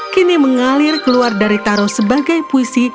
kini mengalir keluar dari taro sebagai puisi